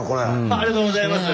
ありがとうございます！